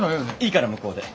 いいから向こうで。